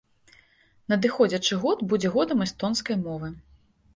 Надыходзячы год будзе годам эстонскай мовы.